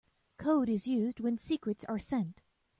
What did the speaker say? Code is used when secrets are sent.